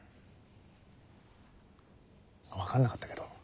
分かんなかったけど佐伯はね